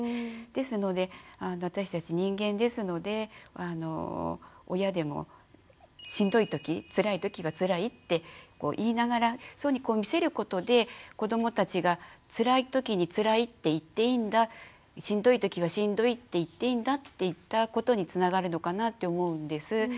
ですので私たち人間ですので親でもしんどいときつらいときはつらいって言いながらそういうふうに見せることで子どもたちがつらいときにつらいって言っていいんだしんどいときはしんどいって言っていいんだっていったことにつながるのかなって思うんです。